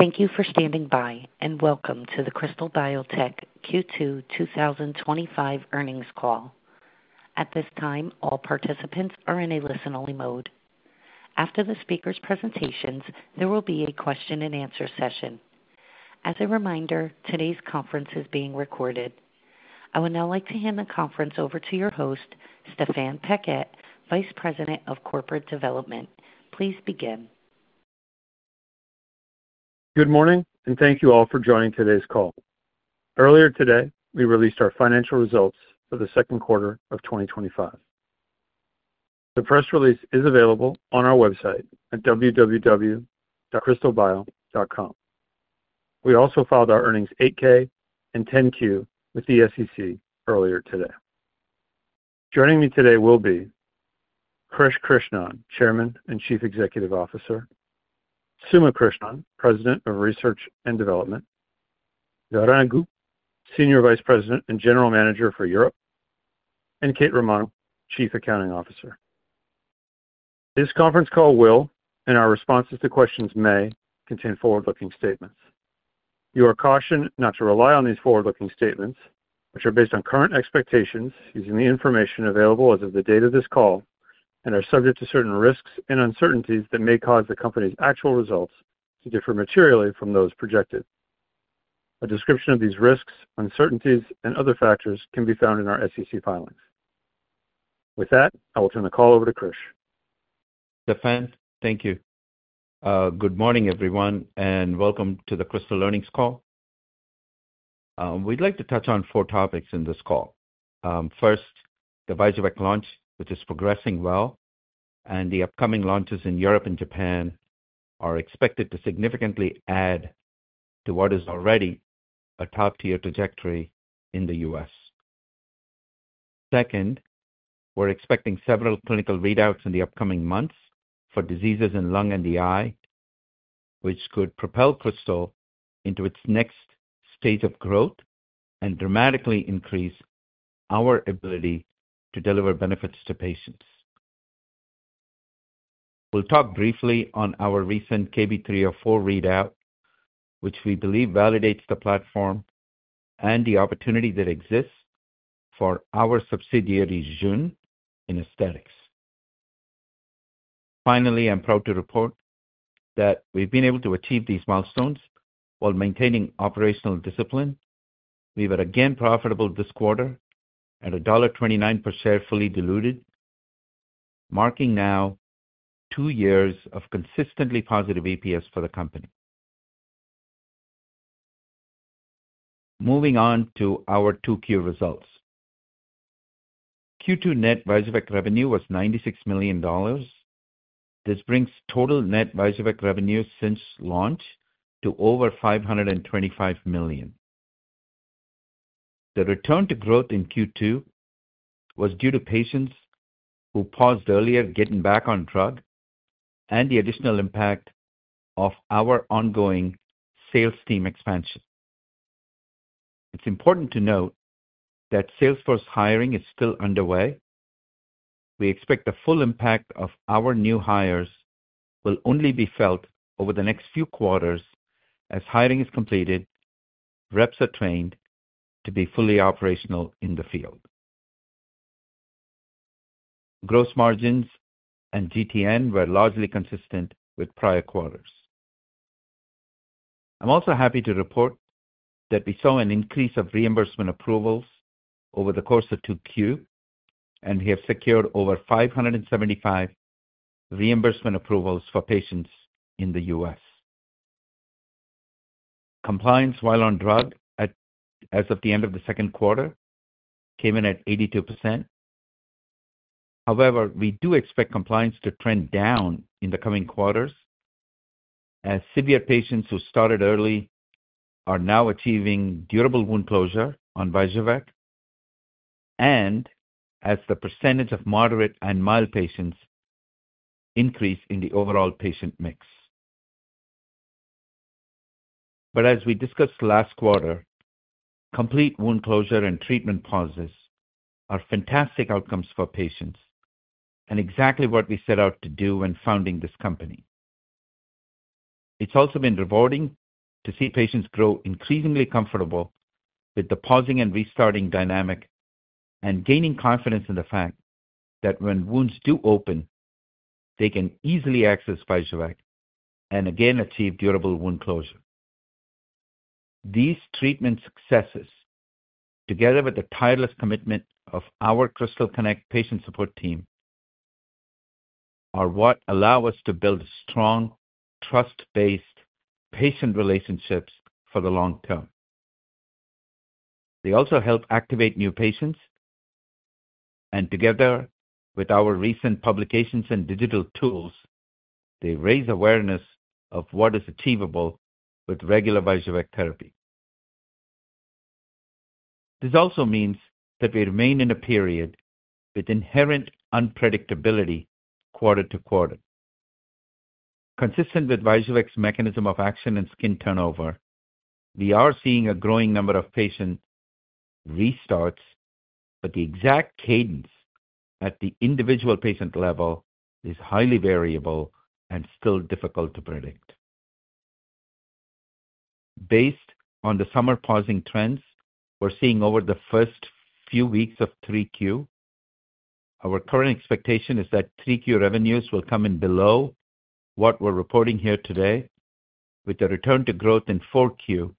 Thank you for standing by and welcome to the Krystal Biotech Q2 2025 earnings call. At this time, all participants are in a listen-only mode. After the speakers' presentations, there will be a question and answer session. As a reminder, today's conference is being recorded. I would now like to hand the conference over to your host, Stéphane Paquette, Vice President of Corporate Development. Please begin. Good morning and thank you all for joining today's call. Earlier today we released our financial results for the second quarter of 2025. The press release is available on our website at www.krystalbio.com. We also filed our earnings 8-K and 10-Q with the SEC earlier today. Joining me today will be Krish Krishnan, Chairman and Chief Executive Officer, Suma Krishnan, President of Research and Development, Laurent Goux, Senior Vice President and General Manager for Europe, and Kate Romano, Chief Accounting Officer. This conference call will and our responses to questions may contain forward-looking statements. You are cautioned not to rely on these forward-looking statements, which are based on current expectations using the information available as of the date of this call and are subject to certain risks and uncertainties that may cause the company's actual results to differ materially from those projected. A description of these risks, uncertainties, and other factors can be found in our SEC filings. With that, I will turn the call over to Krish. Stéphane thank you. Good morning everyone and welcome to the Krystal Biotech earnings call. We'd like to touch on four topics in this call. First, the VYJUVEK launch, which is progressing well, and the upcoming launches in Europe and Japan are expected to significantly add to what is already a top-tier trajectory in the U.S. Second, we're expecting several clinical readouts in the upcoming months for diseases in lung and the eye, which could propel Krystal into its next stage of growth and dramatically increase our ability to deliver benefits to patients. We'll talk briefly on our recent KB304 readout, which we believe validates the platform and the opportunity that exists for our subsidiary Jeune in aesthetics. Finally, I'm proud to report that we've been able to achieve these milestones while maintaining operational discipline. We were again profitable this quarter at $1.29 per share, fully diluted, marking now two years of consistently positive EPS for the company. Moving on to our 2Q results, Q2 net VYJUVEK revenue was $96 million. This brings total net VYJUVEK revenue since launch to over $525 million. The return to growth in Q2 was due to patients who paused earlier getting back on drug and the additional impact of our ongoing sales team expansion. It's important to note that Salesforce hiring is still underway. We expect the full impact of our new hires will only be felt over the next few quarters as hiring is completed. Reps are trained to be fully operational in the field. Gross margins and GTN were largely consistent with prior quarters. I'm also happy to report that we saw an increase of reimbursement approvals over the course of 2Q and we have secured over 575 reimbursement approvals for patients in the U.S. Compliance while on drug as of the end of the second quarter came in at 82%. However, we do expect compliance to trend down in the coming quarters as severe patients who started early are now achieving durable wound closure on VYJUVEK and as the percentage of moderate and mild patients increase in the overall patient mix. As we discussed last quarter, complete wound closure and treatment pauses are fantastic outcomes for patients and exactly what we set out to do when founding this company. It's also been rewarding to see patients grow increasingly comfortable with the pausing and restarting dynamic and gaining confidence in the fact that when wounds do open they can easily access VYJUVEK and again achieve durable wound closure. These treatment successes, together with the tireless commitment of our Krystal Connect patient support team, are what allow us to build strong trust-based patient relationships for the long term. They also help activate new patients and together with our recent publications and digital tools, they raise awareness of what is achievable with regular VYJUVEK therapy. This also means that we remain in a period with inherent unpredictability quarter to quarter. Consistent with VYJUVEK's mechanism of action and skin turnover, we are seeing a growing number of patient restarts, but the exact cadence at the individual patient level is highly variable and still difficult to predict. Based on the summer pausing trends we're seeing over the first few weeks of 3Q, our current expectation is that 3Q revenues will come in below what we're reporting here today, with the return to growth in 4Q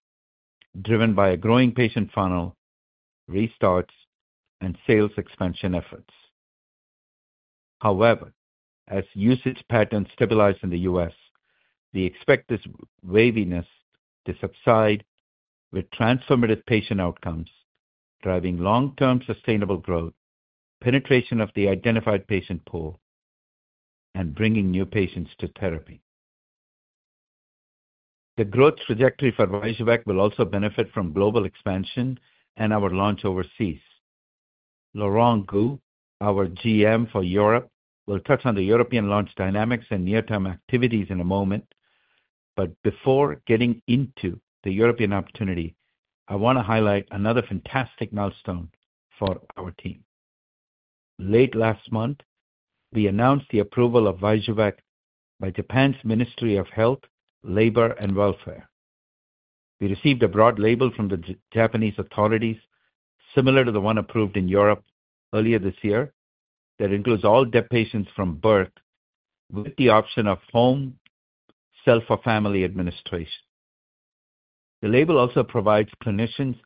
driven by a growing patient funnel, restart, and Salesforce expansion efforts. As usage patterns stabilize in the U.S., we expect this waviness to subside with transformative patient outcomes driving long-term sustainable growth, penetration of the identified patient pool, and bringing new patients to therapy. The growth trajectory for VYJUVEK will also benefit from global expansion and our launch overseas. Laurent Goux, our GM for Europe, will touch on the European launch dynamics and near-term activities in a moment. Before getting into the European opportunity, I want to highlight another fantastic milestone for our team. Late last month we announced the approval of VYJUVEK by Japan's Ministry of Health, Labour and Welfare. We received a broad label from the Japanese authorities similar to the one approved in Europe earlier this year that includes all DEB patients from birth with the option of home, self, or family administration. The label also provides clinicians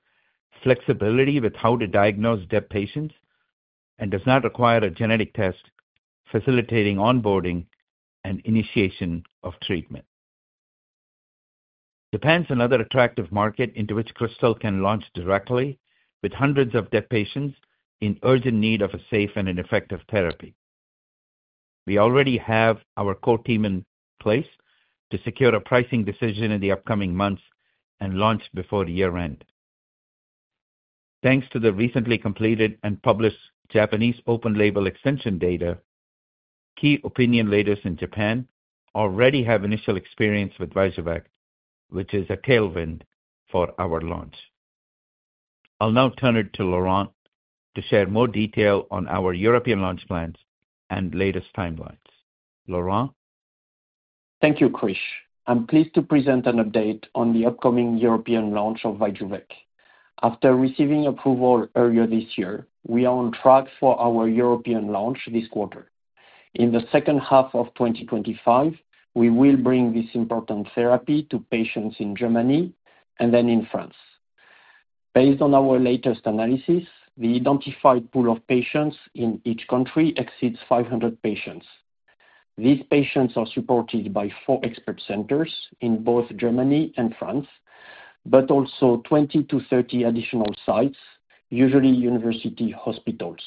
flexibility with how to diagnose DEB patients and does not require a genetic test, facilitating onboarding and initiation of treatment. Japan is another attractive market into which Krystal can launch directly, with hundreds of DEB patients in urgent need of a safe and effective therapy. We already have our core team in place to secure a pricing decision in the upcoming months and launch before year end. Thanks to the recently completed and published Japanese open-label extension data, key opinion leaders in Japan already have initial experience with VYJUVEK, which is a tailwind for our launch. I'll now turn it to Laurent to share more detail on our European launch plans and latest timelines. Laurent. Thank you Krish. I'm pleased to present an update on the upcoming European launch of VYJUVEK. After receiving approval earlier this year, we are on track for our European launch this quarter. In the second half of 2025, we will bring this important therapy to patients in Germany and then in France. Based on our latest analysis, the identified pool of patients in each country exceeds 500 patients. These patients are supported by four expert centers in both Germany and France, but also 20-30 additional sites, usually university hospitals.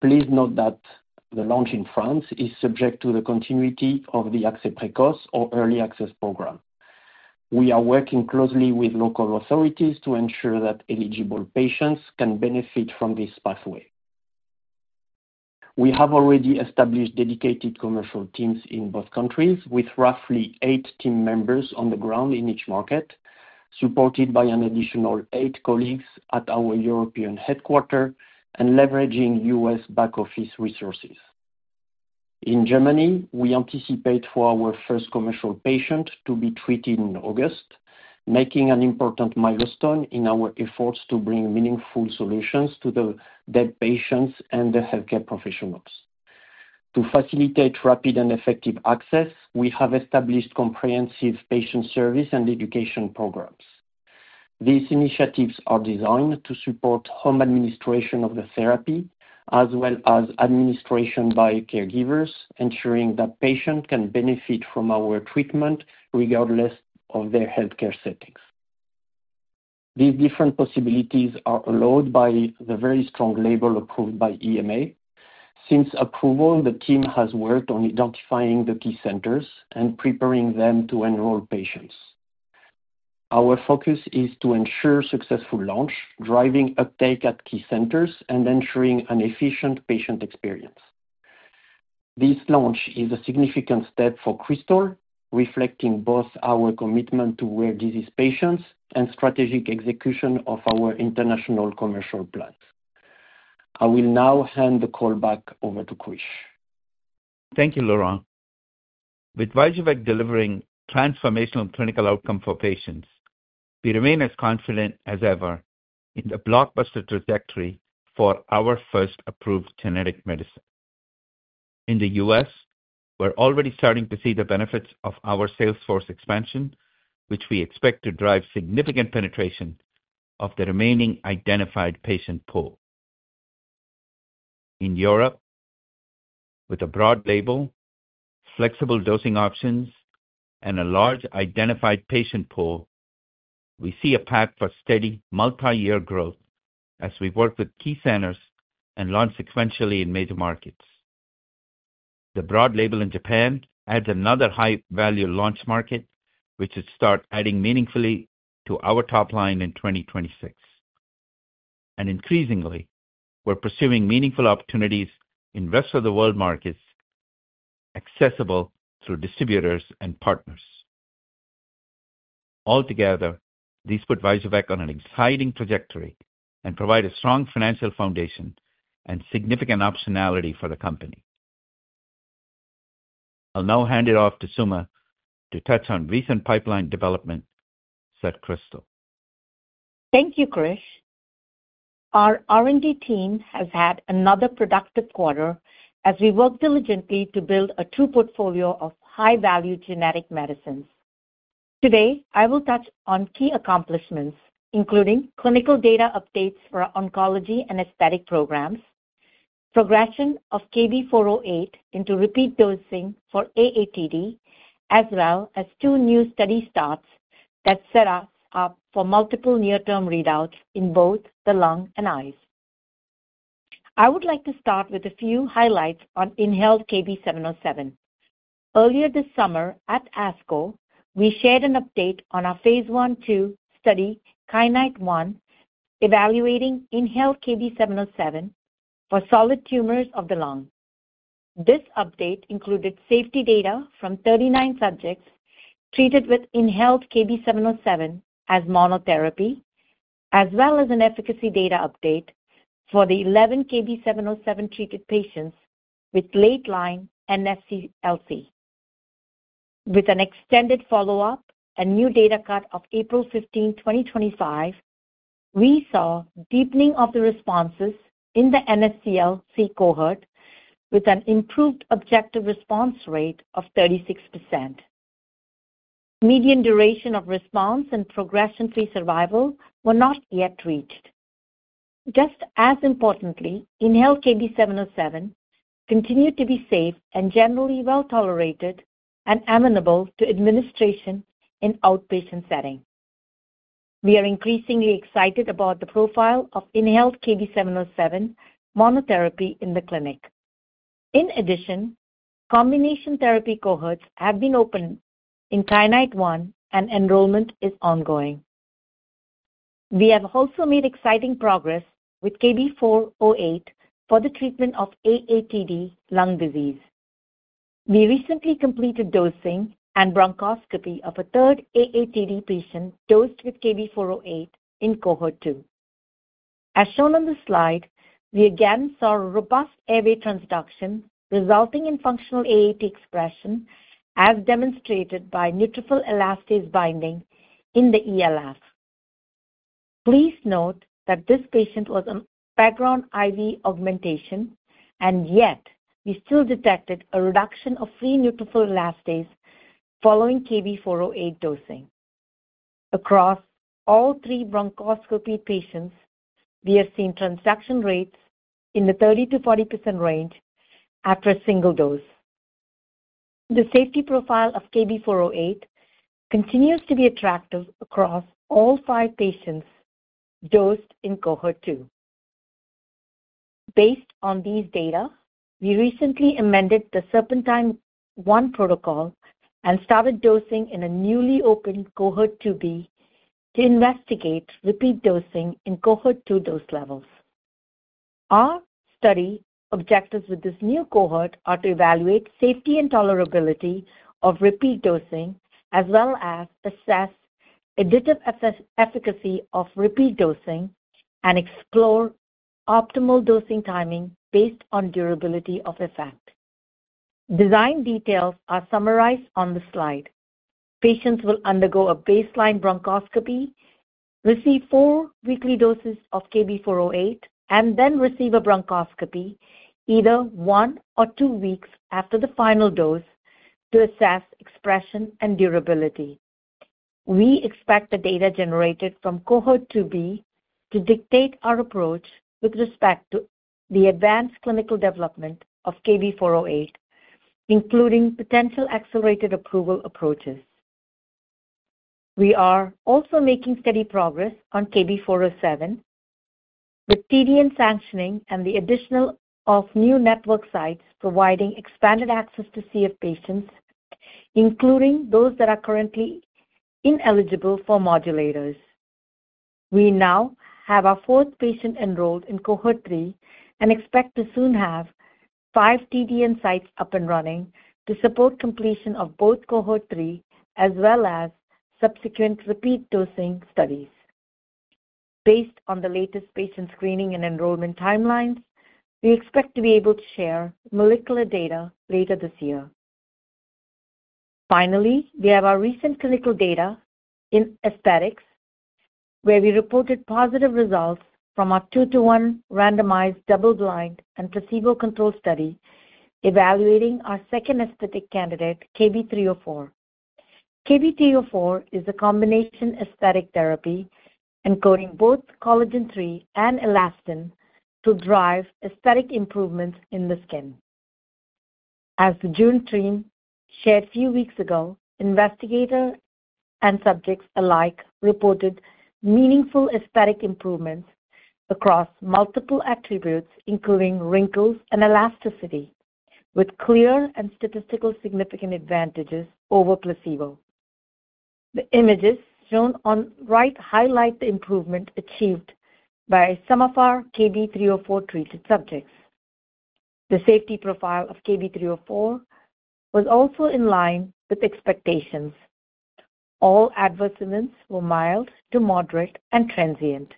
Please note that the launch in France is subject to the continuity of the ATU précoce or Early Access program. We are working closely with local authorities to ensure that eligible patients can benefit from this pathway. We have already established dedicated commercial teams in both countries, with roughly eight team members on the ground in each market, supported by an additional eight colleagues at our European headquarters and leveraging U.S. back office resources in Germany. We anticipate for our first commercial patient to be treated in August, making an important milestone in our efforts to bring meaningful solutions to the DEB patients and the healthcare professionals. To facilitate rapid and effective access, we have established comprehensive patient service and education programs. These initiatives are designed to support home administration of the therapy as well as administration by caregivers, ensuring that patients can benefit from our treatment regardless of their healthcare settings. These different possibilities are allowed by the very strong label approved by EMA. Since approval, the team has worked on identifying the key centers and preparing them to enroll patients. Our focus is to ensure successful launch, driving uptake at key centers and ensuring an efficient patient experience. This launch is a significant step for Krystal, reflecting both our commitment to rare disease patients and strategic execution of our international commercial plans. I will now hand the call back over to Krish. Thank you, Laurent. With VYJUVEK delivering transformational clinical outcome for patients, we remain as confident as ever in the blockbuster trajectory for our first approved genetic medicine in the U.S. We're already starting to see the benefits of our Salesforce expansion, which we expect to drive significant penetration of the remaining identified patient pool in Europe. With a broad label, flexible dosing options, and a large identified patient pool, we see a path for steady multi-year growth as we work with key centers and launch sequentially in major markets. The broad label in Japan adds another high value launch market, which should start adding meaningfully to our top line in 2026. Increasingly, we're pursuing meaningful opportunities in rest of the world markets accessible through distributors and partners. Altogether, these put VYJUVEK on an exciting trajectory and provide a strong financial foundation and significant optionality for the company. I'll now hand it off to Suma to touch on recent pipeline development at Krystal. Thank you, Krish. Our R&D team has had another productive quarter as we work diligently to build a true portfolio of high value genetic medicines. Today I will touch on key accomplishments including clinical data updates for oncology and aesthetic programs, progression of KB408 into repeat dosing for AATD, as well as two new study starts that set up for multiple near term readouts in both the lung and eyes. I would like to start with a few highlights on inhaled KB707. Earlier this summer at ASCO, we shared an update on our phase I/II study Kyanite 1, evaluating inhaled KB707 for solid tumors of the lung. This update included safety data from 39 subjects treated with inhaled KB707 as monotherapy as well as an efficacy data update for the 11 KB707 treated patients with late line NSCLC. With an extended follow up and a new data cut of April 15, 2025, we saw deepening of the responses in the NSCLC cohort with an improved objective response rate of 36%. Median duration of response and progression free survival were not yet reached. Just as importantly, inhaled KB707 continued to be safe and generally well tolerated and amenable to administration in the outpatient setting. We are increasingly excited about the profile of inhaled KB707 monotherapy in the clinic. In addition, combination therapy cohorts have been open in Kyanite 1 and enrollment is ongoing. We have also made exciting progress with KB408 for the treatment of AATD lung disease. We recently completed dosing and bronchoscopy of a third AATD patient dosed with KB408 in Cohort 2. As shown on the slide, we again saw robust airway transduction resulting in functional AAT expression as demonstrated by neutrophil elastase binding in the ELF. Please note that this patient was on background IV augmentation, and yet we still detected a reduction of free neutrophil elastase following KB408 dosing across all three bronchoscopy patients. We have seen transduction rates in the 30%-40% range after a single dose. The safety profile of KB408 continues to be attractive across all five patients dosed in Cohort 2. Based on these data, we recently amended the SERPENTINE-1 protocol and started dosing in a newly opened Cohort 2B to investigate repeat dosing in Cohort 2 dose levels. Our study objectives with this new cohort are to evaluate safety and tolerability of repeat dosing as well as assess additive efficacy of repeat dosing and explore optimal dosing timing based on durability of effect. Design details are summarized on the slide. Patients will undergo a baseline bronchoscopy, receive four weekly doses of KB408, and then receive a bronchoscopy either one or two weeks after the final dose to assess expression and durability. We expect the data generated from Cohort 2B to dictate our approach with respect to the advanced clinical development of KB408, including potential accelerated approval approaches. We are also making steady progress on KB407 with TDN sanctioning and the addition of new network sites providing expanded access to CF patients, including those that are currently ineligible for modulators. We now have our fourth patient enrolled in Cohort 3 and expect to soon have five TDN sites up and running to support completion of both Cohort 3 as well as subsequent repeat dosing studies. Based on the latest patient screening and enrollment timelines, we expect to be able to share molecular data later this year. Finally, we have our recent clinical data in aesthetics, where we reported positive results from our 2 to 1 randomized double-blind and placebo-controlled study evaluating our second aesthetic candidate, KB304. KB304 is a combination aesthetic therapy encoding both collagen III and elastin to drive aesthetic improvements in the skin. As the Jeune team shared a few weeks ago, investigators and subjects alike reported meaningful aesthetic improvements across multiple attributes, including wrinkles and elasticity, with clear and statistically significant advantages over placebo. The images shown on the right highlight the improvement achieved by some of our KB304-treated subjects. The safety profile of KB304 was also in line with expectations. All adverse events were mild to moderate and transient.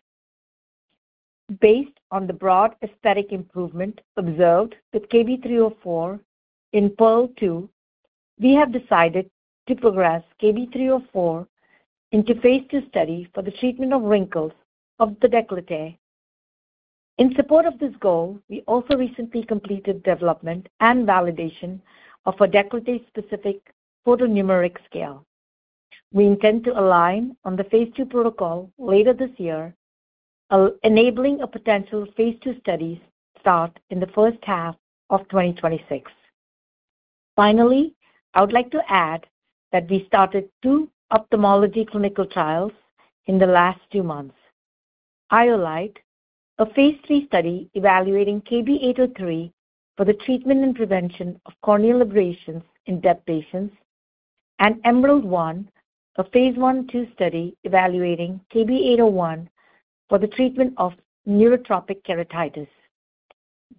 Based on the broad aesthetic improvement observed with KB304 in Part 2, we have decided to progress KB304 into a phase II study for the treatment of wrinkles of the décolleté. In support of this goal, we also recently completed development and validation of a décolleté-specific photonumeric scale. We intend to align on the phase II protocol later this year, enabling a potential phase II study start in the first half of 2026. Finally, I would like to add that we started two ophthalmology clinical trials in the last two months: Iolite, a phase III study evaluating KB803 for the treatment and prevention of corneal abrasions in DEB patients, and EMERALD-1, a phase I/II study evaluating KB801 for the treatment of neurotrophic keratitis.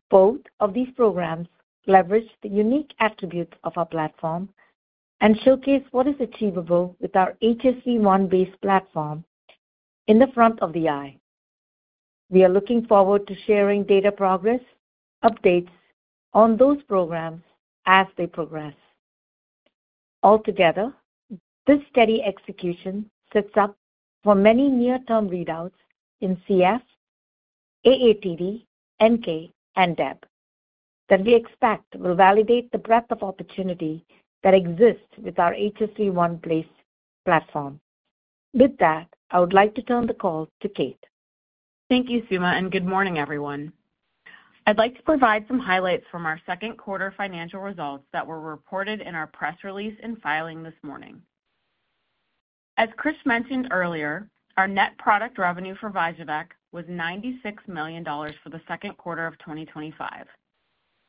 Both of these programs leverage the unique attributes of our platform and showcase what is achievable with our HSV1-based platform in the front of the eye. We are looking forward to sharing data progress updates on those programs as they progress altogether. This steady execution sets up for many near term readouts in cystic fibrosis, AATD, neurotrophic keratitis, and dystrophic epidermolysis bullosa that we expect will validate the breadth of opportunity that exists with our HSV1-based platform. With that I would like to turn the call to Kate. Thank you Suma and good morning everyone. I'd like to provide some highlights from our second quarter financial results that were reported in our press release and filing this morning. As Krish mentioned earlier, our net product revenue for VYJUVEK was $96 million for the second quarter of 2025.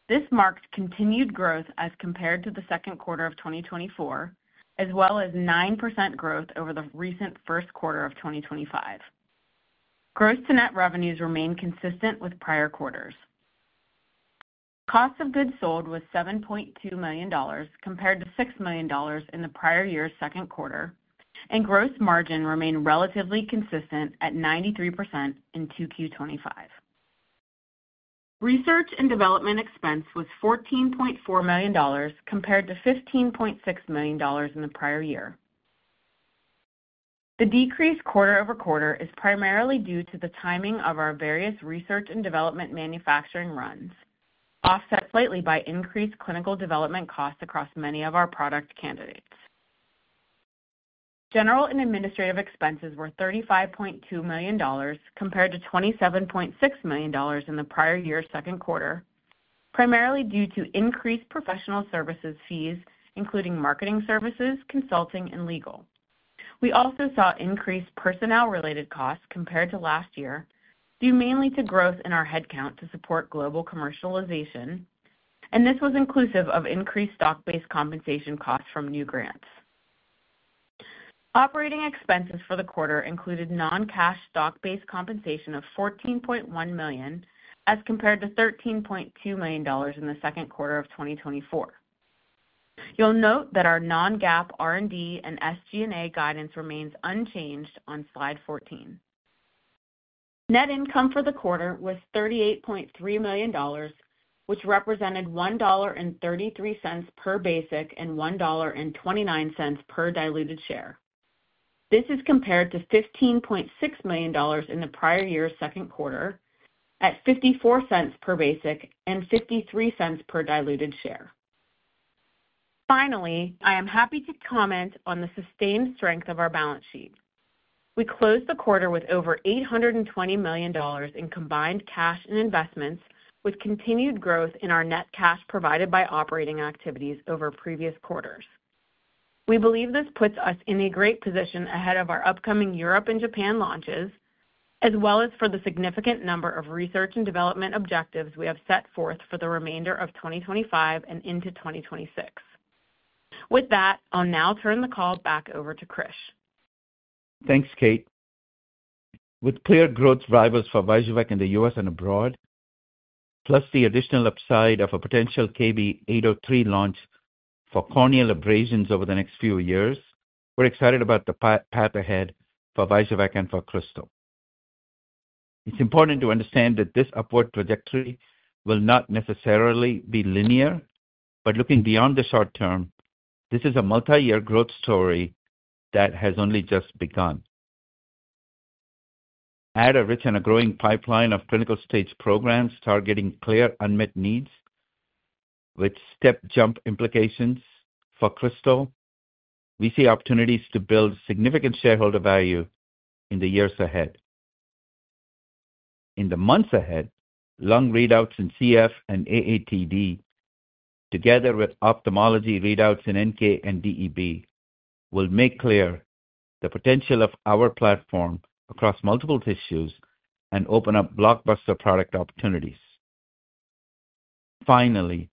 This marks continued growth as compared to the second quarter of 2024 as well as 9% growth over the recent first quarter of 2025. Gross to net revenues remain consistent with prior quarters. Cost of goods sold was $7.2 million compared to $6 million in the prior year's second quarter and gross margin remained relatively consistent at 93% in 2Q25. Research and development expense was $14.4 million compared to $15.6 million in the prior year. The decrease quarter over quarter is primarily due to the timing of our various research and development manufacturing runs, offset slightly by increased clinical development costs across many of our product candidates. General and administrative expenses were $35.2 million compared to $27.6 million in the prior year second quarter primarily due to increased professional services fees including marketing services, consulting and legal. We also saw increased personnel related costs compared to last year due mainly to growth in our headcount to support global commercialization and this was inclusive of increased stock based compensation costs from new grants. Operating expenses for the quarter included non-cash stock based compensation of $14.1 million as compared to $13.2 million in the second quarter of 2024. You'll note that our non-GAAP R&D and SG&A guidance remains unchanged on slide 14. Net income for the quarter was $38.3 million which represented $1.33 per basic and $1.29 per diluted share. This is compared to $15.6 million in the prior year's second quarter at $0.54 per basic and $0.53 per diluted share. Finally, I am happy to comment on the sustained strength of our balance sheet. We closed the quarter with over $820 million in combined cash and investments, with continued growth in our net cash provided by operating activities over previous quarters. We believe this puts us in a great position ahead of our upcoming Europe and Japan launches as well as for the significant number of research and development objectives we have set forth for the remainder of 2025 and into 2026. With that, I'll now turn the call back over to Krish. Thanks, Kate. With clear growth drivers for VYJUVEK in the U.S. and abroad, plus the additional upside of a potential KB803 launch for corneal abrasions over the next few years, we're excited about the path ahead for VYJUVEK and for Krystal. It's important to understand that this upward trajectory will not necessarily be linear, but looking beyond the short term, this is a multi-year growth story that has only just begun. Add a rich and growing pipeline of clinical stage programs targeting clear unmet needs with step jump implications for Krystal, we see opportunities to build significant shareholder value in the years ahead. In the months ahead, lung readouts in cystic fibrosis and AATD together with ophthalmology readouts in neurotrophic keratitis and DEB will make clear the potential of our platform across multiple tissues and open up blockbuster product opportunities. Finally,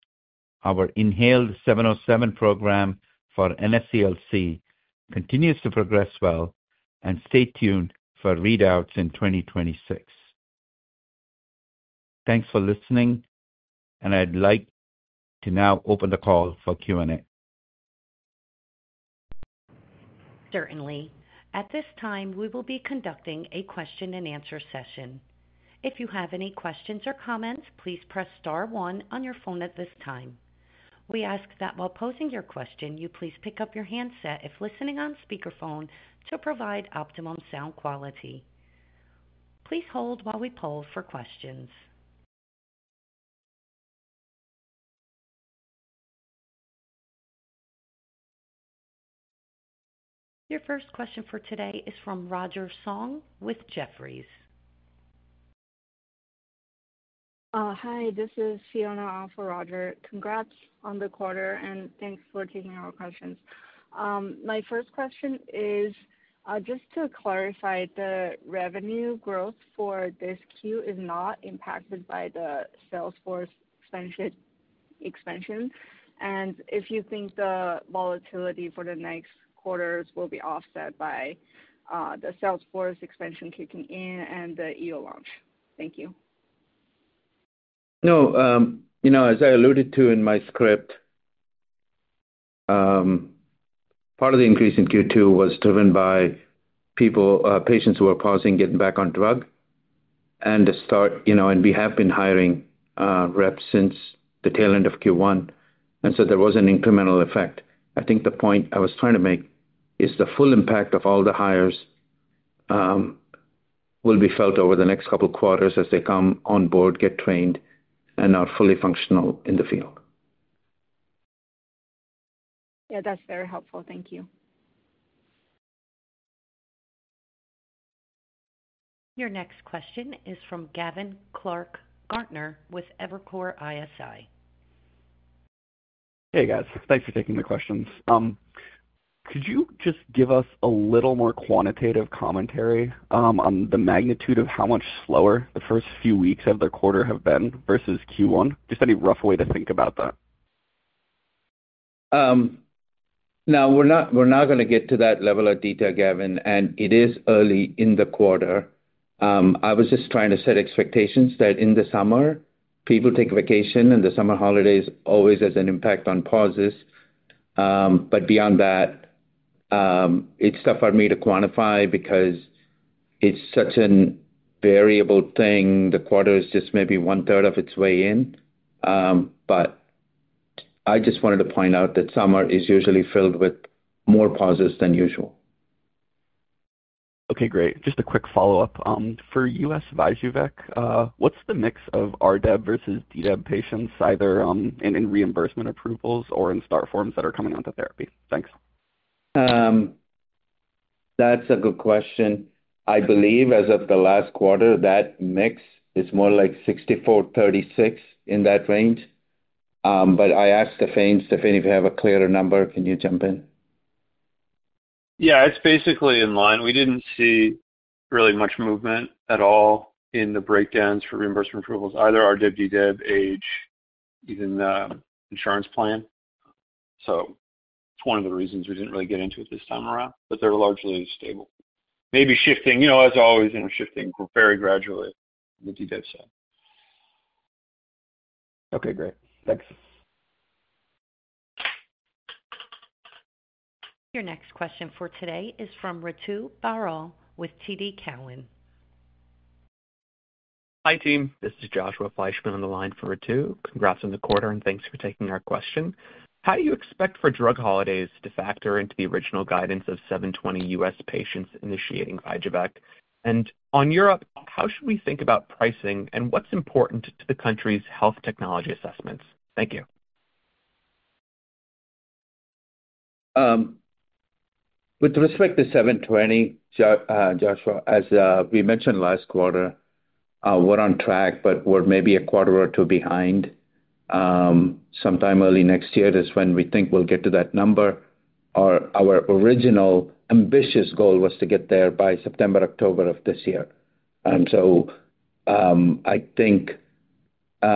our inhaled KB707 program for NSCLC continues to progress well and stay tuned for readouts in 2026. Thanks for listening and I'd like to now open the call for Q&A. Certainly. At this time we will be conducting a question and answer session. If you have any questions or comments, please press Star one on your phone at this time. We ask that while posing your question, you please pick up your handset if listening on speakerphone to provide optimum sound quality. Please hold while we poll for questions. Your first question for today is from Roger Song with Jefferies. Hi, this is Fiona on for Roger, congrats on the quarter and thanks for taking our questions. My first question is just to clarify. The revenue growth for this quarter is not impacted by the Salesforce expansion, and if you think the volatility for the next quarters will be offset by the Salesforce expansion kicking in and the EU launch. Thank you. No, as I alluded to in my script, part of the increase in Q2 was driven by people, patients who are pausing, getting back on drug to start, and we have been hiring reps since the tail end of Q1, so there was an incremental effect. I think the point I was trying to make is the full impact of all the hires will be felt over the next couple quarters as they come on board, get trained, and are fully functional in the field. Yeah, that's very helpful. Thank you. Your next question is from Gavin Clark-Gartner with Evercore ISI. Hey guys, thanks for taking the questions. Could you just give us a little more quantitative commentary on the magnitude of how much slower the first few weeks of the quarter have been versus Q1? Just any rough way to think about that? We're not going to get to that level of detail, Gavin. It is early in the quarter. I was just trying to set expectations that in the summer people take vacation and the summer holidays always have an impact on pauses. Beyond that it's tough for me to quantify because it's such a variable thing. The quarter is just maybe one third of its way in. I just wanted to point out that summer is usually filled with more pauses than usual. Okay, great. Just a quick follow up for us. VYJUVEK, what's the mix of RDEB versus DDEB patients either in reimbursement approvals or in start forms that are coming onto therapy? Thanks. That's a good question. I believe as of the last quarter, that mix is more like 64/36 in that range. I asked Stéphane. Stéphane, if you have a clearer number, can you jump in? Yeah, it's basically in line. We didn't see really much movement at all in the breakdowns for reimbursement approvals either. RDEB, DDEB, age, even insurance plan. One of the reasons we didn't really get into it this time around, but they're largely stable. Maybe shifting, you know, as always, you know, shifting very gradually, the DDEB side. Okay, great, thanks. Your next question for today is from Ritu Baral with TD Cowen. Hi, team. This is Joshua Fleishman on the line for Ritu. Congrats on the quarter and thanks for taking our question. How do you expect for drug holidays to factor into the original guidance of 720 U.S. patients initiating VYJUVEK? On Europe, how should we think about pricing and what's important to the countries' health technology assessments? Thank you. With respect to 720, Joshua, as we mentioned last quarter, we're on track, but we're maybe a quarter or two behind. Sometime early next year is when we think we'll get to that number. Our original ambitious goal was to get there by September or October of this year. I think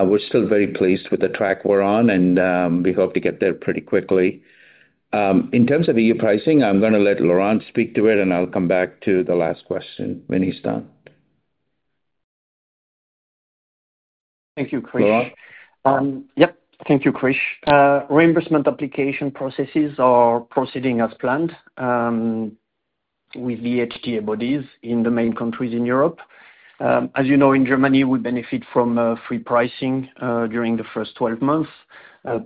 we're still very pleased with the track we're on and we hope to get there pretty quickly. In terms of EU pricing, I'm going to let Laurent speak to it and I'll come back to the last question when he's done. Thank you, Krish. Reimbursement application processes are proceeding as planned with the HTA bodies in the main countries in Europe. As you know, in Germany we benefit from free pricing during the first 12 months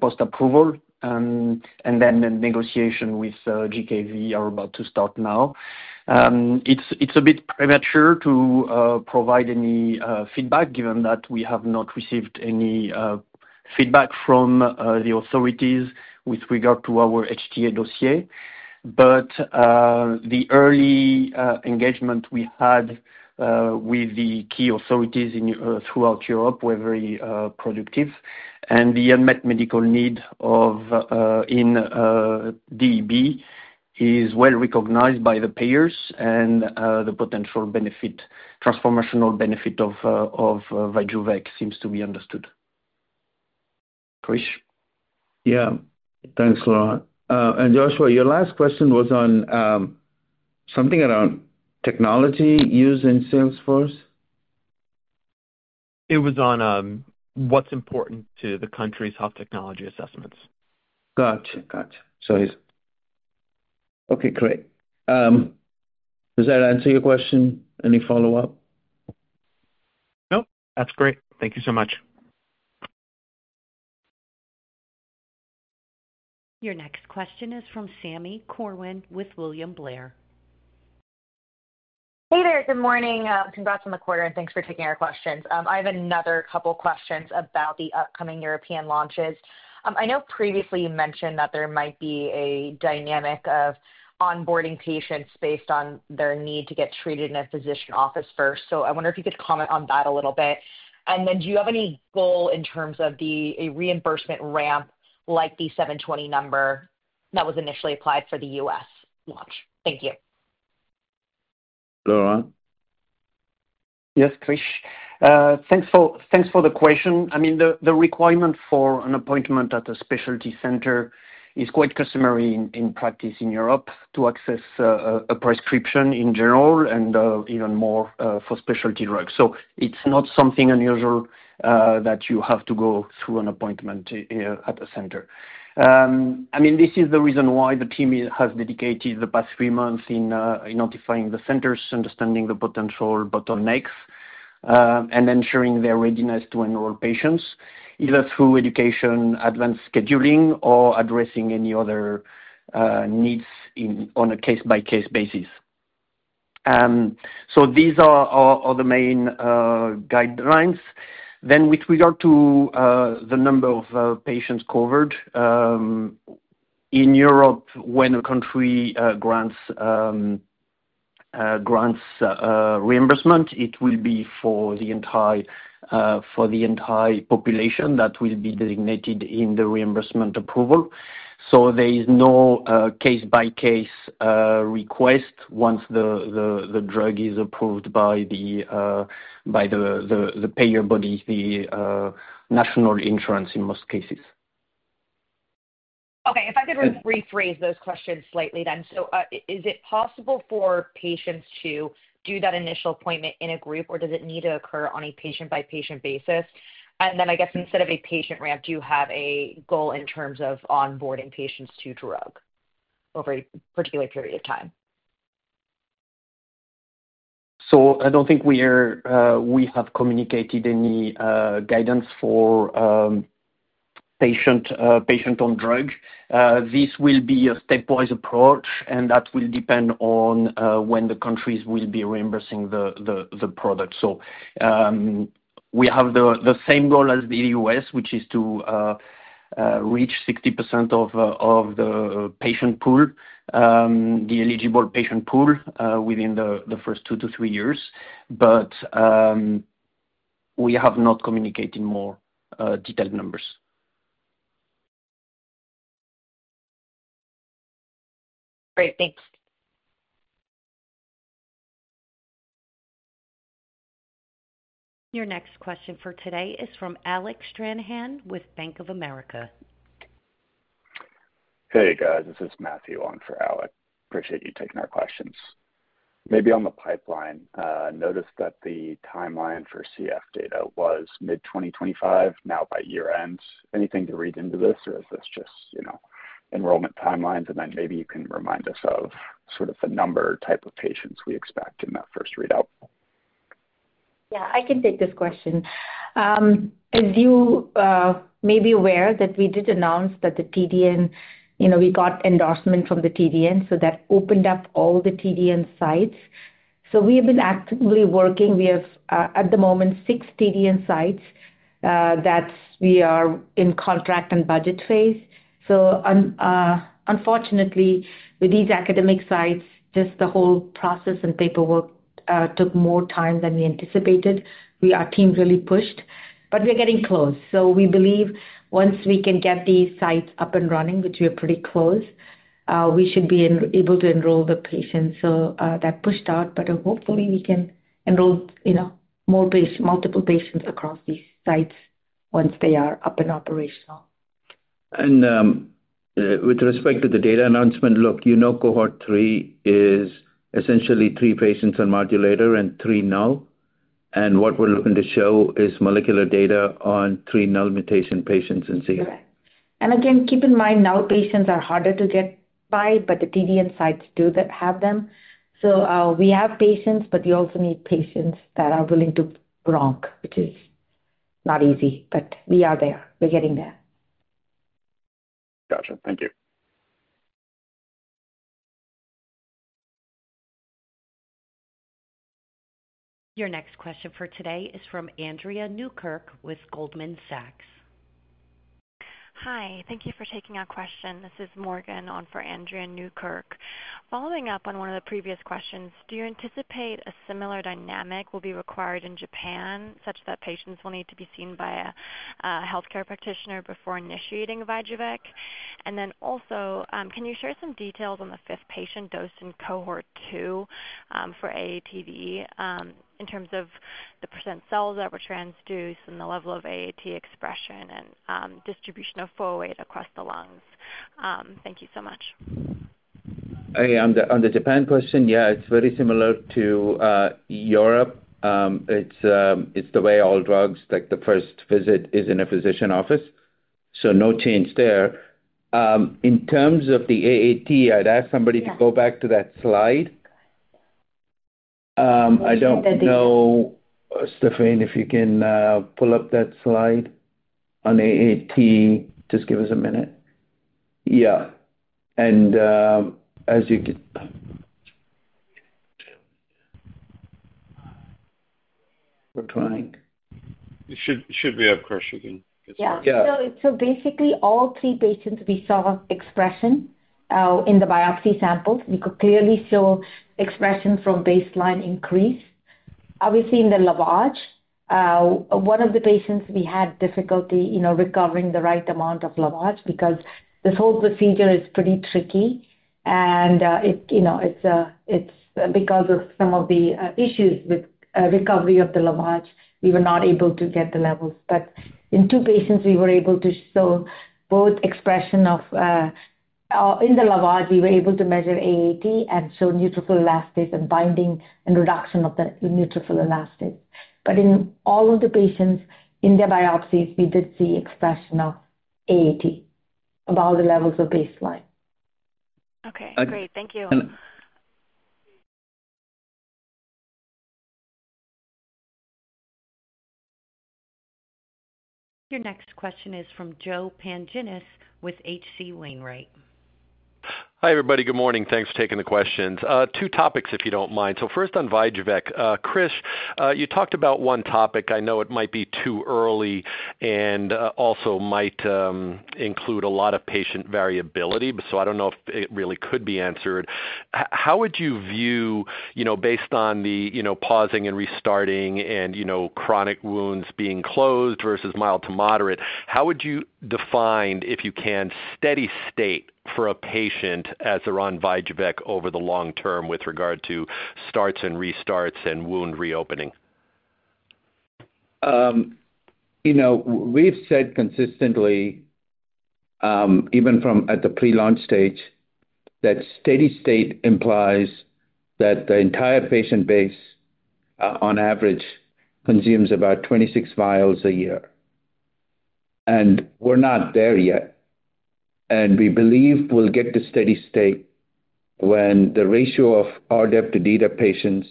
post approval, and then the negotiation with GKV are about to start. Now, it's a bit premature to provide any feedback given that we have not received any feedback from the authorities with regard to our HTA dossier. But the early engagement we had with the key authorities throughout Europe were very productive, and the unmet medical need in DEB is well recognized by the payers. The potential benefit, transformational benefit of VYJUVEK seems to be understood. Krish? Yeah. Thanks, Laurent. Joshua, your last question was on something around technology used in Salesforce. It was on what's important to the country's health technology assessments. Gotcha. Great. Does that answer your question? Any follow up? Nope. That's great. Thank you so much. Your next question is from Sami Corwin with William Blair. Hey there. Good morning. Congrats on the quarter and thanks for taking our questions. I have another couple questions about the upcoming European launches. I know previously you mentioned that there might be a dynamic of onboarding patients based on their need to get treated in a physician office first. I wonder if you could comment on that a little bit and then do you have any goal in terms of the reimbursement ramp like the 720 number that was initially applied for the U.S. launch? Thank you. Laurent. Yes Krish, thanks for the question. The requirement for an appointment at a specialty center is quite customary in practice in Europe to access a prescription in general and even more for specialty drugs. It's not something unusual that you have to go through an appointment at the center. This is the reason why the team has dedicated the past three months to identifying the centers, understanding the potential bottlenecks, and ensuring their readiness to enroll patients either through education, advanced scheduling, or addressing any other needs on a case by case basis. These are the main guidelines. With regard to the number of patients covered in Europe, when a country grants reimbursement, it will be for the entire population that will be designated in the reimbursement approval. There is no case by case request once the drug is approved by the payer body, the national insurance in most cases. Okay, if I could rephrase those questions slightly. Is it possible for patients to do that initial appointment in a group, or does it need to occur on a patient-by-patient basis? I guess instead of a patient ramp, do you have a goal in terms of onboarding patients to drug over a particular period of time? I don't think we have communicated any guidance for patient on drug. This will be a stepwise approach, and that will depend on when the countries will be reimbursing the product. We have the same goal as the U.S., which is to reach 60% of the patient pool, the eligible patient pool, within the first two to three years. But we have not communicated more detailed numbers. Great, thanks. Your next question for today is from Alec Stranahan with Bank of America. Hey guys, this is Matthew on for Alec. Appreciate you taking our questions. Maybe on the pipeline, notice that the timeline for CF data was mid-2025, now by year end. Anything to read into this or is this just, you know, enrollment timelines? Maybe you can remind us of sort of the number, type of patients we expect in that first readout. Yeah, I can take this question. As you may be aware, we did announce that the TDN, you know, we got endorsement from the TDN, so that opened up all the TDN sites. We have been actively working. We have at the moment six TDN sites that we are in contract and budget phase. Unfortunately, with these academic sites, just the whole process and paperwork took more time than we anticipated. Our team really pushed, but we are getting close. We believe once we can get these sites up and running, which we are pretty close, we should be able to enroll the patients. That pushed out, but hopefully we can enroll multiple patients across these sites once they are up and operational. With respect to the data announcement, look, you know, Cohort 3 is essentially three patients on modulator and three null. What we're looking to show is molecular data on three null mutation patients in cystic fibrosis. Correct. Keep in mind, null patients are harder to get by, but the TDN sites do have them. We have patients, but you also need patients that are willing to enroll, which is not easy. We are there. We're getting there. Gotcha. Thank you. Your next question for today is from Andrea Newkirk with Goldman Sachs. Hi, thank you for taking our question. This is Morgan on for Andrea Newkirk, following up on one of the previous questions. Do you anticipate a similar dynamic will be required in Japan, such that patients will need to be seen by a healthcare practitioner before initiating VYJUVEK? Also, can you share some details on the fifth patient dosed in Cohort 2 for AATD in terms of the percent cells that were transduced and the level of AAT expression and distribution of KB408 across the lungs? Thank you so much. On the Japan question. Yeah, it's very similar to Europe. It's the way all drugs like the first visit is in a physician office. No change there in terms of the AAT. I'd ask somebody to go back to that slide. I don't know. Stéphane, if you can pull up that slide on AAT. Just give us a minute. Yeah. As you could. We're trying to. It should be. Of course you can. Basically, all three patients, we saw expression in the biopsy sample. You could clearly show expression from baseline increase, obviously in the lavage. One of the patients, we had difficulty recovering the right amount of lavage because this whole procedure is pretty tricky. It's because of some of the issues with recovery of the lavage. We were not able to get the level. In two patients we were able to show both expression of. In the lavage, we were able to measure AAT and show neutrophil elastase and binding and reduction of the neutrophil elastase. In all of the patients in their biopsies, we did see expression of AAT above the levels of baseline. Okay, great. Thank you. Your next question is from Joe Pantginis with H.C. Wainwright. Hi everybody. Good morning. Thanks for taking the questions. Two topics if you don't mind. First on VYJUVEK. Krish, you talked about one topic. I know it might be too early and also might include a lot of patient variability. I don't know if it really could be answered. How would you view, you know, based on the pausing and restarting and chronic wounds being closed versus mild to moderate. How would you define if you can steady state for a patient as they're on VYJUVEK over the long term with regard to starts and restarts and wound reopening? We've said consistently even at the pre-launch stage that steady state implies that the entire patient base on average consumes about 26 vials a year. We're not there yet. We believe we'll get to steady state when the ratio of RDEB to DDEB patients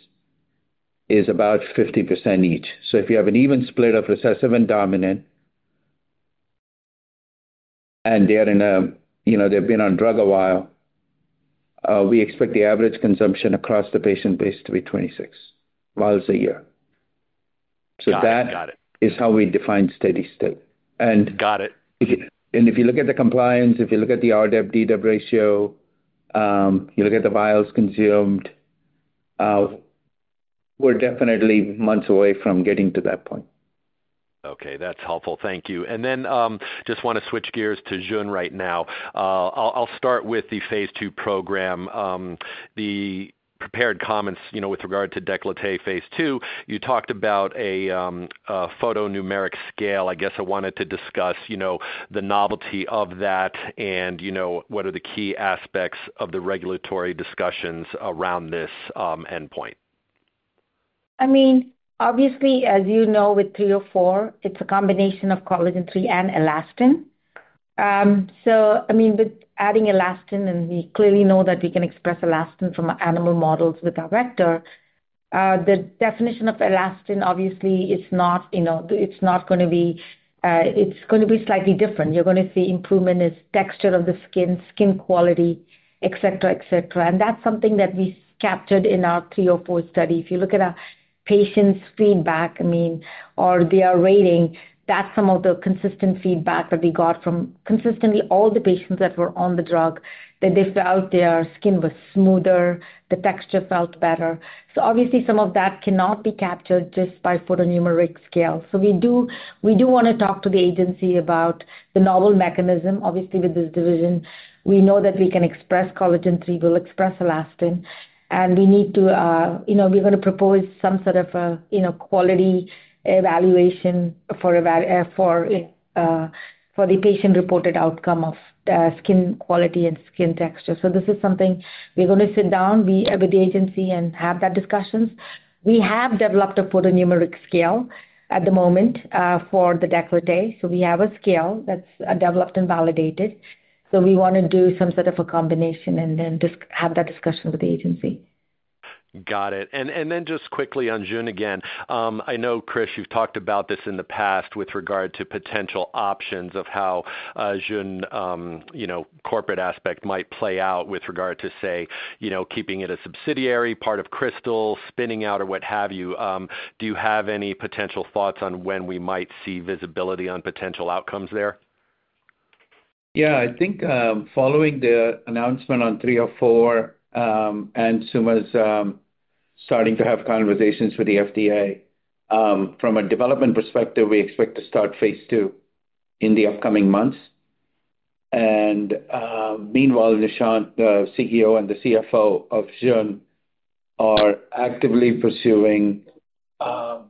is about 50% each. If you have an even split of recessive and dominant and they've been on drug a while, we expect the average consumption across the patient base to be 26 vials a year. That is how we define steady state. If you look at the compliance, if you look at the RDEB DDEB ratio, you look at the vials consumed, we're definitely months away from getting to that point. Okay, that's helpful, thank you. I just want to switch gears to Jeune right now. I'll start with the phase two program. The prepared comments with regard to decollete phase two, you talked about a photonumeric scale. I guess I wanted to discuss the novelty of that. What are the key aspects of the regulatory discussions around this endpoint? I mean obviously as you know with KB304, it's a combination of collagen and elastin. I mean with adding elastin and we clearly know that we can express elastin from animal models with our vector, the definition of elastin obviously is not, you know, it's not going to be, it's going to be slightly different. You're going to see improvement in texture of the skin, skin quality, et cetera, et cetera. That's something that we captured in our KB304 study. If you look at our patient's feedback, I mean, or their rating, that's some of the consistent feedback that we got from consistently all the patients that were on the drug that they felt their skin was smoother, the texture felt better. Some of that cannot be captured just by photonumeric scale. We do want to talk to the agency about the novel mechanism. Obviously with this division, we know that we can express collagen III, we'll express elastin and we need to, you know, we're going to propose some sort of, you know, quality evaluation for the patient reported outcome of skin quality and skin texture. This is something we're going to sit down, be at the agency and have that discussion. We have developed a photonumeric scale at the moment for the decollete. We have a scale that's developed and validated. We want to do some sort of a combination and then have that discussion with the agency. Got it. Just quickly on Jeune again. I know, Krish, you've talked about this in the past with regard to potential options of how the Jeune corporate aspect might play out with regard to, say, keeping it a subsidiary part of Krystal, spinning out, or what have you. Do you have any potential thoughts on when we might see visibility on potential outcomes there? Yeah, I think following the announcement on KB304 and Suma's starting to have conversations with the FDA from a development perspective. We expect to start phase two in the upcoming months. Meanwhile, Nishant, the CEO and the CFO of Jeune, are actively pursuing, are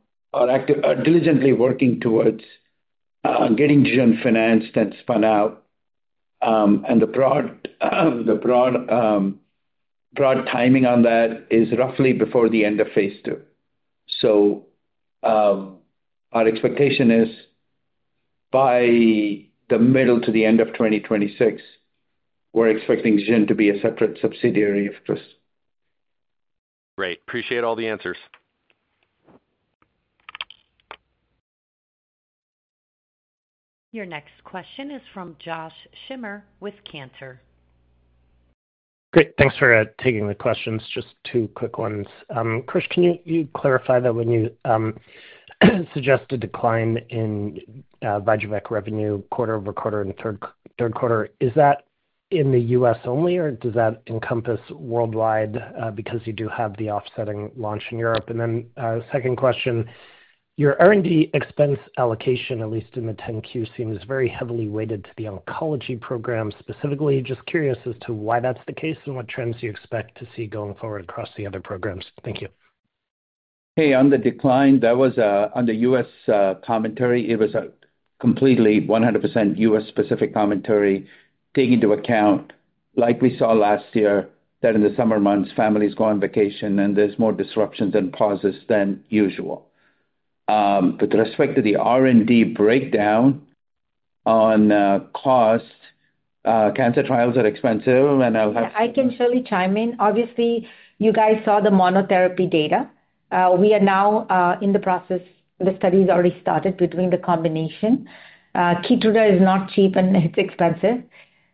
diligently working towards getting Jeune financed and spun out. The broad timing on that is roughly before the end of phase two. Our expectation is by the middle to the end of 2026, we're expecting Jeune to be a separate subsidiary of Krystal Biotech. Great. Appreciate all the answers. Your next question is from Josh Schimmer with Cantor. Great, thanks for taking the questions. Just two quick ones. Krish, can you clarify that when you suggest a decline in VYJUVEK revenue, quarter over quarter in the third quarter, is that in the U.S. only or does that encompass worldwide? You do have the offsetting launch in Europe. Second question, your R&D expense allocation, at least in the 10-Q, seems very heavily weighted to the oncology program specifically. Just curious as to why that's the case and what trends you expect to see going forward across the other programs. Thank you. Hey, on the decline, that was on the U.S. commentary. It was a completely 100% U.S. specific commentary. Take into account like we saw last year, that in the summer months families go on vacation and there's more disruptions and pauses than usual. With respect to the R&D breakdown on costs, cancer trials are expensive and I'll have. I can surely chime in. Obviously you guys saw the monotherapy data. We are now in the process, the study's already started between the combination. Keytruda is not cheap and it's expensive.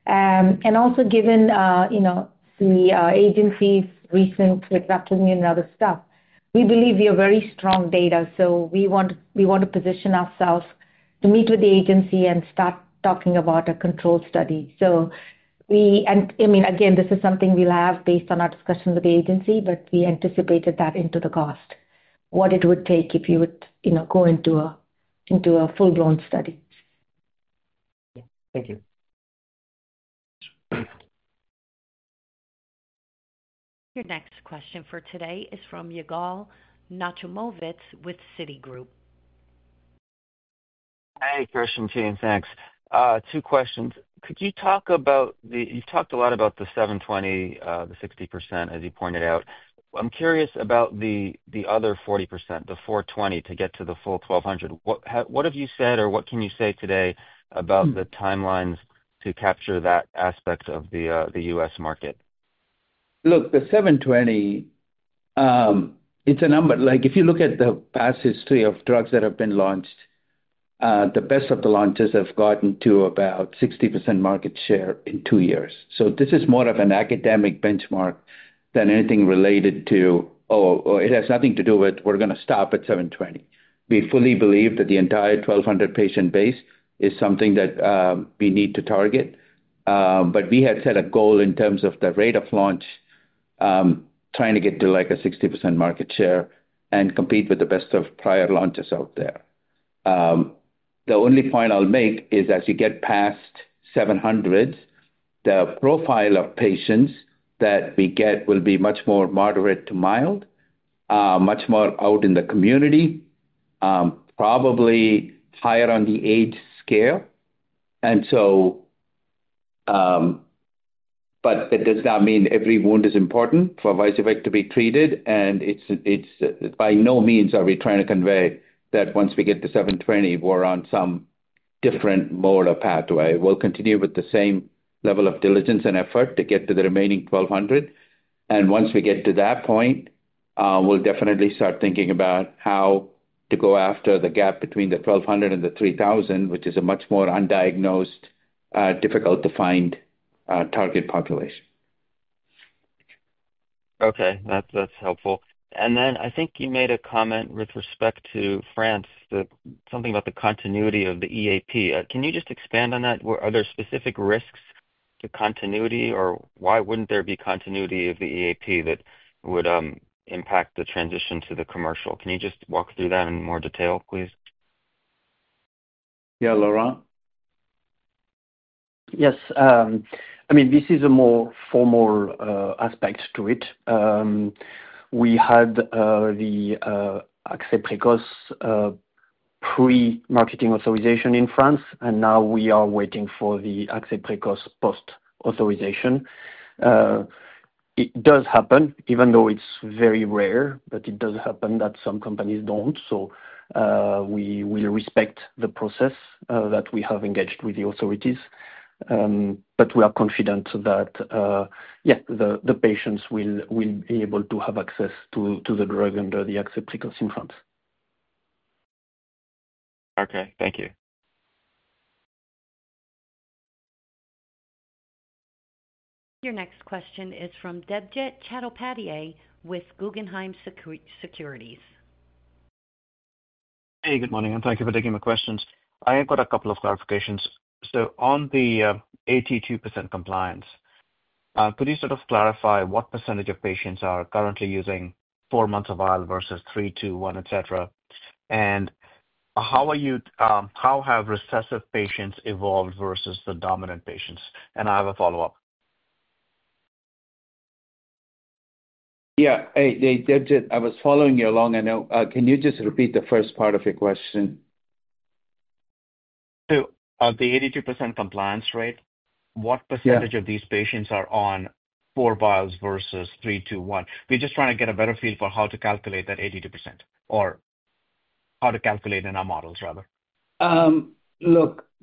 Also, given the agency's recent vaccine and other stuff, we believe we have very strong data. We want to position ourselves to meet with the agency and start talking about a control study. This is something we'll have based on our discussion with the agency. We anticipated that into the cost, what it would take if you would go into a full blown study. Thank you. Your next question for today is from Yigal Nochomovitz with Citigroup. Hey, Christine team. Thanks. Two questions. Could you talk about the, you talked a lot about the 720, the 60%, as you pointed out. I'm curious about the other 40%, the 420 to get to the full 1,200. What have you said or what can you say today about the timelines to capture that aspect of the U.S. market? Look, the 720, it's a number like if you look at the past history of drugs that have been launched, the best of the launches have gotten to about 60% market share in two years. This is more of an academic benchmark than anything related to. It has nothing to do with, we're going to stop at 720. We fully believe that the entire 1,200 patient base is something that we need to target. We had set a goal in terms of the rate of launch trying to get to like a 60% market share and compete with the best of prior launches out there. The only point I'll make is as you get past 700, the profile of patients that we get will be much more moderate to mild, much more out in the community, probably higher on the age scale. That does not mean every wound is important for VYJUVEK to be treated. By no means are we trying to convey that once we get to 720 we're on some different mode of pathway. We'll continue with the same level of diligence and effort to get to the remaining 1,200. Once we get to that point, we'll definitely start thinking about how to go after the gap between the 1,200 and the 3,000, which is a much more undiagnosed, difficult to find target population. Okay, that's helpful. I think you made a comment with respect to France that something about the continuity of the EAP. Can you just expand on that? Are there specific risks to continuity or why wouldn't there be continuity of the EAP that would impact the transition to the commercial? Can you just walk through that in more detail, please? Yeah, Laurent. Yes. I mean, this is a more formal aspect to it. We had the ATU précoces pre marketing authorization in France, and now we are waiting for the ATU précoces post authorization. It does happen, even though it's very rare, but it does happen that some companies don't. We will respect the process that we have engaged with the authorities. We are confident that, yes, the patients will be able to have access to the drug under the ATU post authorization. Okay, thank you. Your next question is from Debjit Chattopadhyay with Guggenheim Securities. Hey, good morning and thank you for taking the questions. I have got a couple of clarifications. On the 82% compliance, could you sort of clarify what percentage of patients are currently using 4 months of IL versus 3, 2, 1, etc.? How have recessive patients evolved versus the dominant patients? I have a follow up. I was following you along. Can you just repeat the first part of your question? The 82% compliance rate, what percentage of these patients are on four vials versus three, two, one? We're just trying to get a better feel for how to calculate that 82% or how to calculate in our models, rather.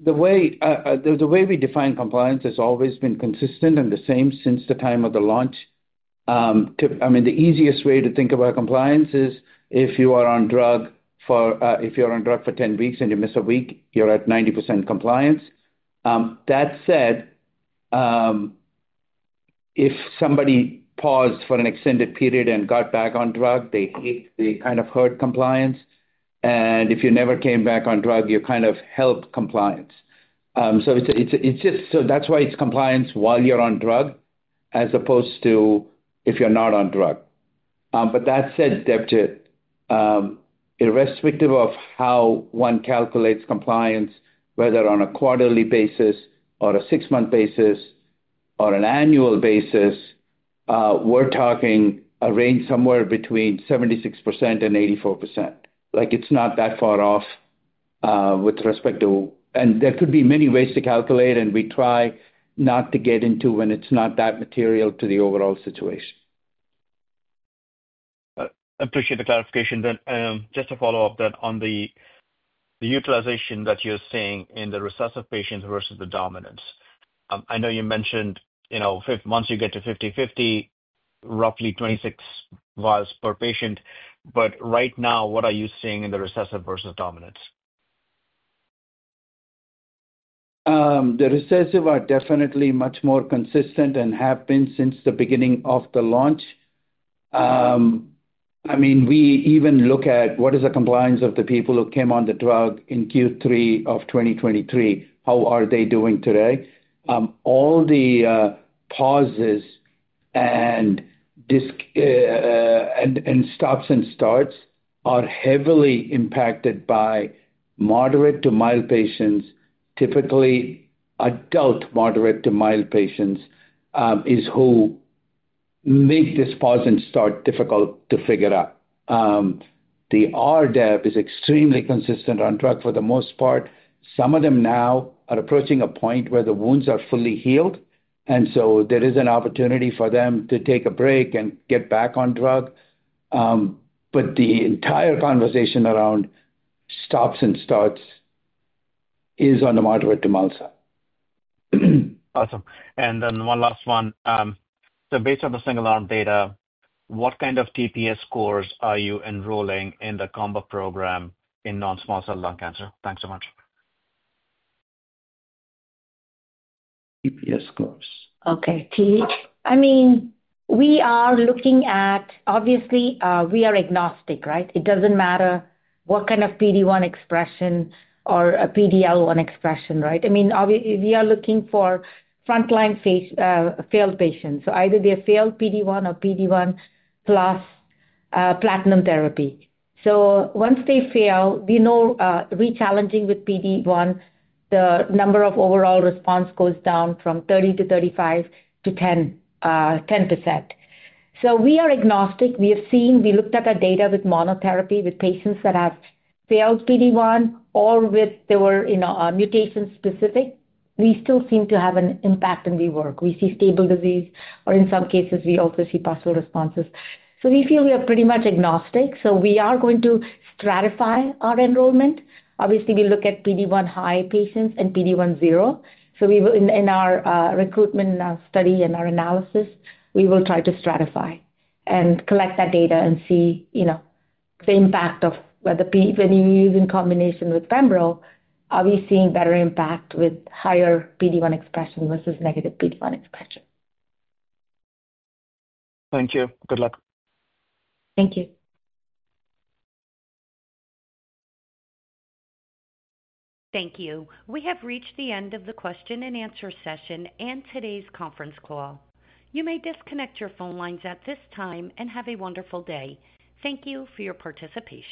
The way we define compliance has always been consistent and the same since the time of the launch. The easiest way to think about compliance is if you are on drug for 10 weeks and you miss a week, you're at 90% compliance. That said, if somebody paused for an extended period and got back on drug, they kind of hurt compliance. If you never came back on drug, you kind of helped compliance. That is why it's compliance while you're on drug as opposed to if you're not on drug. That said, irrespective of how one calculates compliance, whether on a quarterly basis or a six month basis or an annual basis, we're talking a range somewhere between 76% and 84%. It's not that far off with respect to that. There could be many ways to calculate and we try not to get into when it's not that material to the overall situation. Appreciate the clarification. Just to follow up on the utilization that you're seeing in the recessive patients versus the dominant. I know you mentioned once you get to 50/50, roughly 26 vials per patient, but right now, what are you seeing in the recessive versus dominant? The recessive are definitely much more consistent and have been since the beginning of the launch. We even look at what is the compliance of the people who came on the drug in Q3 of 2023. How are they doing today? All the pauses and stops and starts are heavily impacted by moderate to mild patients. Typically, adult moderate to mild patients are who make this pause and start difficult to figure out. The RDEB is extremely consistent on drug for the most part. Some of them now are approaching a point where the wounds are fully healed and so there is an opportunity for them to take a break and get back on drug. The entire conversation around stops and starts is on the moderate to mal side. Awesome. One last one. Based on the single arm data, what kind of TPS scores are you enrolling in the COMBA program in non-small cell lung cancer? Thanks so much. TPS scores. Okay. I mean, we are looking at, obviously, we are agnostic, right? It doesn't matter what kind of PD-1 expression or a PD-L1 expression, right? I mean, we are looking for frontline failed patients. Either they failed PD-1 or PD-1 plus platinum therapy. Once they fail, we know re-challenging with PD-1, the number of overall responses goes down from 30% to 35% to 10%. We are agnostic. We have seen, we looked at our data with monotherapy with patients that have failed PD-1 or where they were mutation specific. We still seem to have an impact and we work, we see stable disease or in some cases we also see partial responses. We feel we are pretty much agnostic. We are going to stratify our enrollment. Obviously, we look at PD-1 high patients and PD-1 low. In our recruitment study and our analysis, we will try to stratify and collect that data and see, you know, the impact of whether when you use in combination with Pembro, are we seeing better impact with higher PD-1 expression versus negative PD-1 expression? Thank you. Good luck. Thank you. Thank you. We have reached the end of the question and answer session and today's conference call. You may disconnect your phone lines at this time and have a wonderful day. Thank you for your participation.